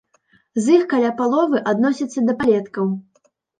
З іх каля паловы адносяцца да палеткаў.